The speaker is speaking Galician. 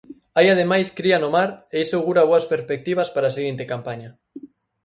Hai ademais cría no mar e iso augura boas perspectivas para a seguinte campaña.